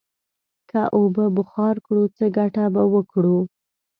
که اوبه بخار کړو، څه گټه به وکړو؟